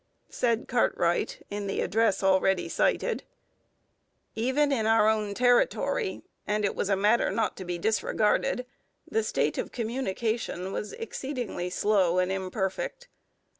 Said Cartwright, in the address already cited: Even in our own territory, and it was a matter not to be disregarded, the state of communication was exceedingly slow and imperfect.